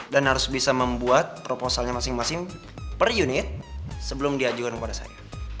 dan harus bisa membuat proposalnya masing masing per unit sebelum diajukan kepada saya